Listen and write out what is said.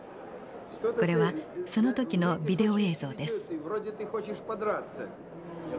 これはその時のビデオ映像です。